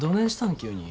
急に。